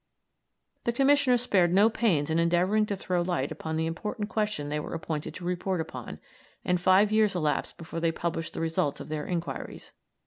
The Commissioners spared no pains in endeavouring to throw light upon the important question they were appointed to report upon, and five years elapsed before they published the results of their inquiries.